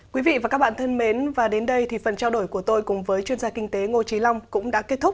quý vị và các bạn thân mến và đến đây thì phần trao đổi của tôi cùng với chuyên gia kinh tế ngô trí long cũng đã kết thúc